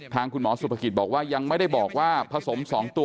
ทางคุณหมอสุภกิจบอกว่ายังไม่ได้บอกว่าผสม๒ตัว